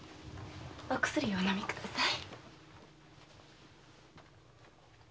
お薬をお飲みください。